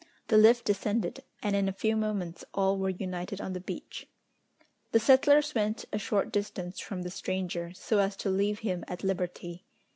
The lift descended, and in a few moments all were united on the beach. The settlers went a short distance from the stranger, so as to leave him at liberty.